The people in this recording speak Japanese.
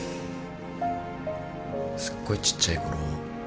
すっごいちっちゃいころ